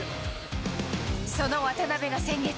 その渡邊が先月、